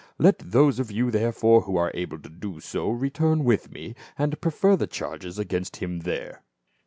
Let those of you therefore who are able to do so, re turn with me and prefer the charges against him there."